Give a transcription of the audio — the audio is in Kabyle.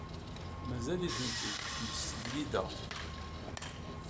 Mazal-iten deg tmesgida.